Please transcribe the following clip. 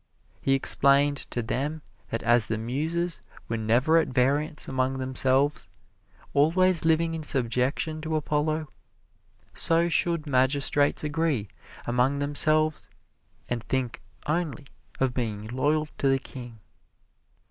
He explained to them that as the Muses were never at variance among themselves, always living in subjection to Apollo, so should magistrates agree among themselves and think only of being loyal to the king.